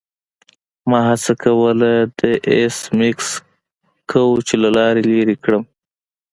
ما هڅه کوله د ایس میکس کوچ له لارې لیرې کړم